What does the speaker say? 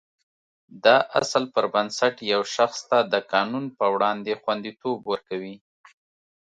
دا اصل پر بنسټ یو شخص ته د قانون په وړاندې خوندیتوب ورکوي.